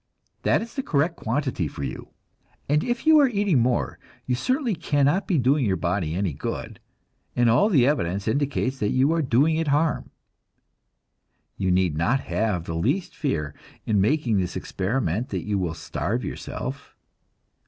That is the correct quantity for you, and if you are eating more, you certainly cannot be doing your body any good, and all the evidence indicates that you are doing it harm. You need not have the least fear in making this experiment that you will starve yourself.